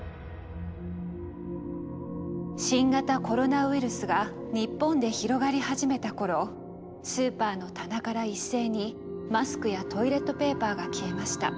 新型コロナウイルスが日本で広がり始めた頃スーパーの棚から一斉にマスクやトイレットペーパーが消えました。